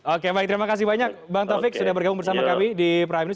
oke baik terima kasih banyak bang taufik sudah bergabung bersama kami di prime news